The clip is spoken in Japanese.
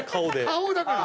顔だから。